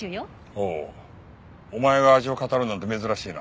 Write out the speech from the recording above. おおお前が味を語るなんて珍しいな。